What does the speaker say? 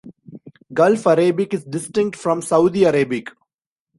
Gulf Arabic is distinct from Saudi Arabic.